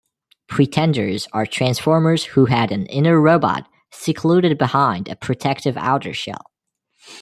Pretenders are Transformers who had an inner robot secluded behind a protective outer shell.